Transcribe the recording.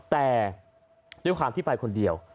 แต่ด้วยความที่ไปคนเดียว